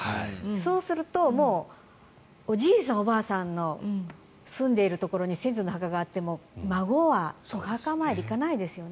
そうするともうおじいさん、おばあさんの住んでいるところに先祖の墓があっても孫はお墓参り、行かないですよね。